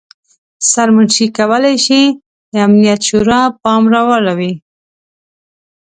سرمنشي کولای شي امنیت شورا پام راواړوي.